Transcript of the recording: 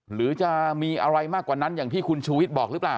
หรือจะมีอะไรมากกว่านั้นอย่างที่คุณชูวิทย์บอกหรือเปล่า